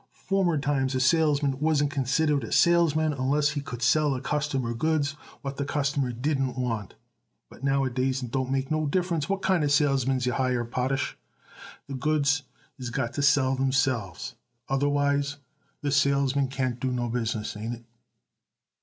Former times a salesman wasn't considered a salesman unless he could sell a customer goods what the customer didn't want; but nowadays it don't make no difference what kind of salesman you hire it, Potash, the goods is got to sell themselves, otherwise the salesman can't do no business. Ain't it?"